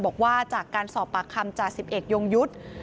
บอกว่าจากการสอบปากคำจาก๑๑ยงยุทธ์